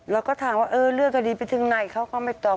เราก็ถามว่าเออเรื่องคดีไปถึงไหนเขาก็ไม่ตอบ